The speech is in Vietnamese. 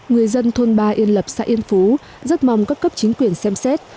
người dân thôn ba yên lập xã yên phú rất mong các cấp chính quyền xem xét